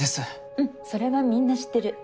うんそれはみんな知ってる。